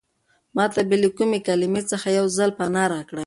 ما ته بې له کومې کلمې څخه یو ځل پناه راکړه.